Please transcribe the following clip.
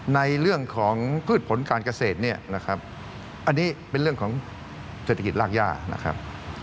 ในเรื่องของพืชผลการเกษตรเนี่ยนะครับอันนี้เป็นเรื่องของเศรษฐกิจรากย่านะครับ